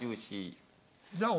じゃあ俺